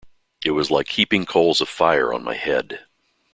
It was like heaping coals of fire on my head.